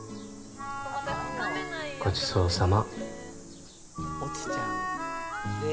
ごちそうさま